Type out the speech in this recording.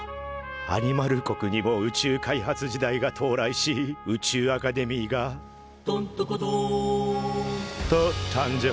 アニマル国にも宇宙開発時代が到来し宇宙アカデミーが「どんどこどん」と誕生。